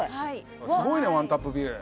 すごいねＯＮＥタップビュー。